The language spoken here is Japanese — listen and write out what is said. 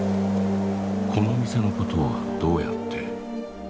この店のことはどうやって？